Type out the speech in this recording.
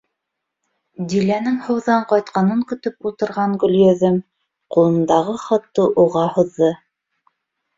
Диләнең һыуҙан ҡайтҡанын көтөп ултырған Гөлйөҙөм ҡулындағы хатты уға һуҙҙы: